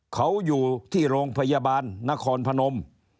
เขาอยู่ที่โรงพยาบาลนครพนม